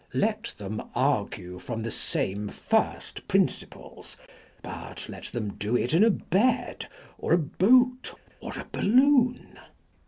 Let them argue from the same first principles, but let them do it in a bed, or a boat, or a balloon.